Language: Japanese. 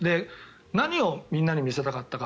何をみんなに見せたかったか。